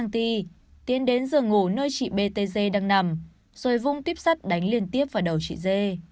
tiến đến giường ngủ nơi chị b t g đang nằm rồi vung tuyếp sắt đánh liên tiếp vào đầu chị d